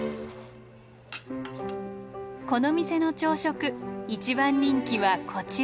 この店の朝食一番人気はこちら。